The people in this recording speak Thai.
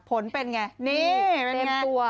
ผลเป็นยังไงนี่เป็นยังไงเต็มตัว